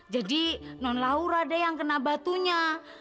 jadi non laura deh yang kena batunya